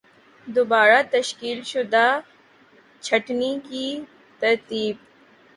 دوبارہ تشکیل شدہ چھٹنی کی ترتیب